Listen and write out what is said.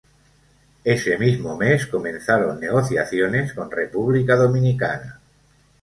Ese mismo mes, comenzaron negociaciones con República Dominicana.